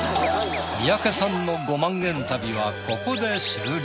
三宅さんの５万円旅はここで終了。